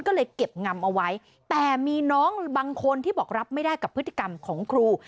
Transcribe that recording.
ก็เลยเก็บงำเอาไว้แต่มีน้องบางคนที่บอกรับไม่ได้กับพฤติกรรมของครู